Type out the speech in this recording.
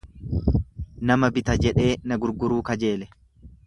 Nama bita jedhee, na gurguruu kajeele.